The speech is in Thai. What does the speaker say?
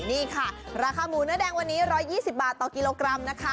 นี่ค่ะราคาหมูเนื้อแดงวันนี้๑๒๐บาทต่อกิโลกรัมนะคะ